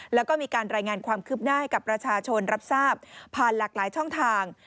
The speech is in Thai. แล้วก็มีการรายงานความคืบหน้าให้กับประชาชนรับทราบผ่านหลากหลายช่องทาง